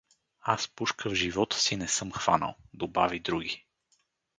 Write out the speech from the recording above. — Аз пушка в живота си не съм хванал — добави други.